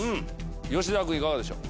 吉沢君いかがでしょう？